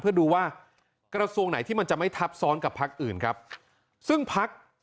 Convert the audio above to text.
เพื่อดูว่ากระทรวงไหนที่มันจะไม่ทับซ้อนกับพักอื่นครับซึ่งพัก